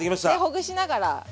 ほぐしながら。